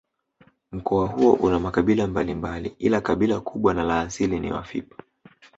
Mkoa huo una makabila mbalimbali ila kabila kubwa na la asili ni Wafipa